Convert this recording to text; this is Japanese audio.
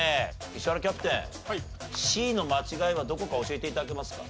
石原キャプテンＣの間違いはどこか教えて頂けますか？